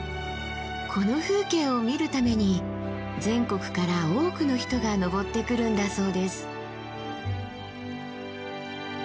この風景を見るために全国から多くの人が登ってくるんだそうです。